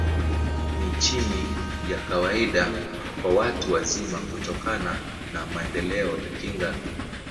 Ni chini ya kawaida kwa watu wazima, kutokana na maendeleo ya kinga.